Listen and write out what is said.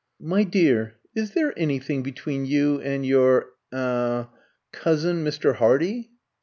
"My dear, is there anything between you and your er cousin Mr. Hardy?"